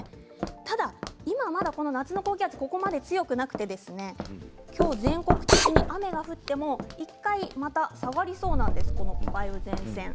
ただ今、この夏の高気圧ここまで強くなくてきょう全国的に雨が降っても１回また下がりそうなんですこの梅雨前線。